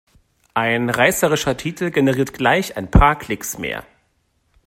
Ein reißerischer Titel generiert gleich ein paar Klicks mehr.